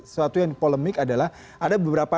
sesuatu yang polemik adalah ada beberapa